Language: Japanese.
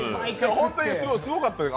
本当にすごかったです。